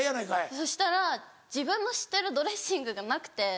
そしたら自分の知ってるドレッシングがなくて。